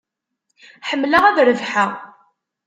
Ḥemmleɣ ad rebḥeɣ.